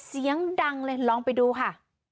เสียงดังเลยลองไปดูค่ะ